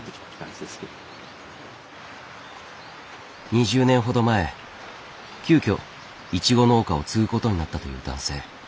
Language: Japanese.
２０年ほど前急きょイチゴ農家を継ぐことになったという男性。